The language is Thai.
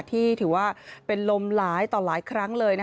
ที่ถือว่าเป็นลมหลายต่อหลายครั้งเลย